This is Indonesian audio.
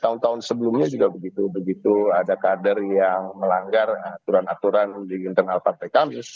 tahun tahun sebelumnya juga begitu ada kader yang melanggar aturan aturan di internal partai kami